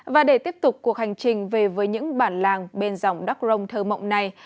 và để tiếp tục cuộc hành trình về với những bản làng bên dòng đắk rông thơ mộng này